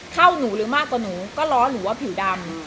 หนูหรือมากกว่าหนูก็ล้อหนูว่าผิวดำ